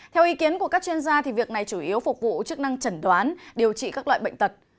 theo ý kiến của các chuyên gia việc này chủ yếu phục vụ chức năng chẩn đoán điều trị các loại bệnh tật